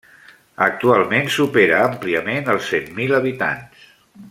Actualment supera àmpliament els cent mil habitants.